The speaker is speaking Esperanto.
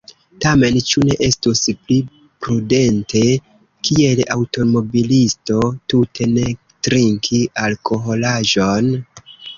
Tamen, ĉu ne estus pli prudente kiel aŭtomobilisto tute ne trinki alkoholaĵon?